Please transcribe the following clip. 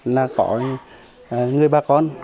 là có người bà con